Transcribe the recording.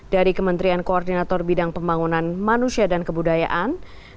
dari kementerian koordinator bidang pembangunan manusia dan kebudayaan